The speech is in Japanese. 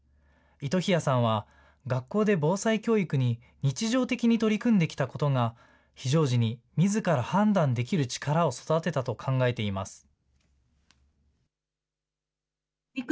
糸日谷さんは、学校で防災教育に日常的に取り組んできたことが、非常時にみずから判断できる力を育てたと考えています。